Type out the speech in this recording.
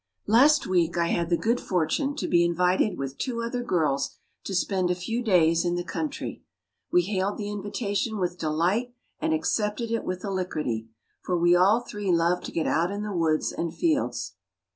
Last week I had the good fortune to be invited with two other girls to spend a few days in the country. We hailed the invitation with delight and accepted it with alacrity, for we all three love to get out into the woods and fields.